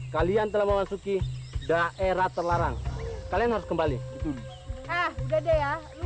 kalian telah memasuki daerah terlarang kalian harus kembali dulu ah udah deh ya